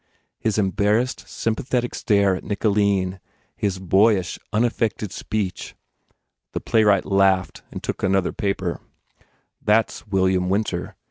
His embarrassed, sympathetic stare at Nicoline, his boyish, unaffected speech The playwright laughed and took another paper, "That s William Winter.